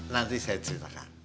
nah nanti saya ceritakan